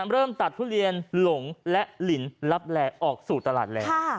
เริ่มตัดทุเรียนหลงและหลินลับแลออกสู่ตลาดแล้ว